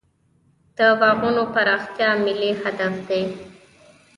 د باغونو پراختیا ملي هدف دی.